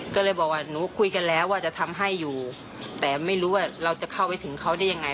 ก็เลยบอกว่าหนูคุยกันแล้วว่าจะทำให้อยู่แต่ไม่รู้ว่าเราจะเข้าไปถึงเขาได้ยังไง